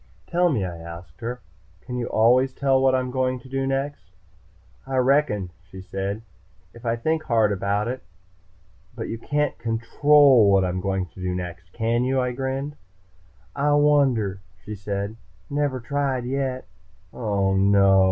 "Tell me," I asked her. "Can you always tell what I'm going to do next?" "I reckon," she said. "If I think hard about it." "But you can't control what I'm going to do next, can you?" I grinned. "I wonder," she said. "Never tried, yet." "Oh, no!"